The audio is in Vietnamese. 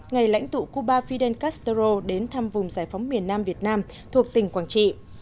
ngày lãnh tụ cuba fidel castro đến thăm vùng giải phóng miền nam việt nam thuộc tỉnh quảng trị